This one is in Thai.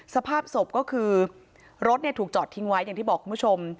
สภาพศพก็คือรถถูกจอดทิ้งไว้อย่างที่บอกคุณผู้ชม